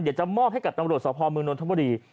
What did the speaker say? เดี๋ยวจะมอบให้กับตำรวจสภเมืองนทบุรี